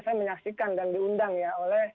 saya menyaksikan dan diundang ya oleh